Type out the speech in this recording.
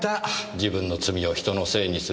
自分の罪を人のせいにする。